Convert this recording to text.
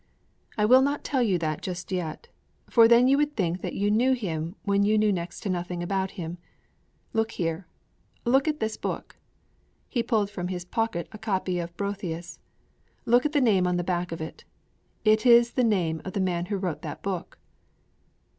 'I will not tell you that just yet; for then you would think that you knew Him when you knew next to nothing about Him. Look here! Look at this book!' He pulled from his pocket a copy of Boethius. 'Look at the name on the back of it; it is the name of the man who wrote that book.'